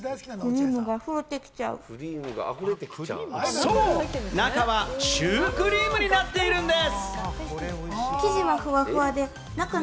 そう、中はシュークリームになっているんです！